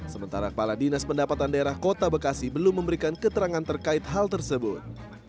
sementara kepala dinas pendapatan daerah kota bekasi belum memberikan keterangan terkait hal tersebut